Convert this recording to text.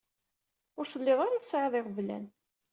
Ur tellid ara tesɛid iɣeblan.